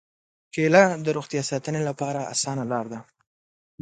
کېله د روغتیا ساتنې لپاره اسانه لاره ده.